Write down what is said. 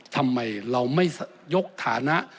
ทำไมเราไม่ยกฐานะ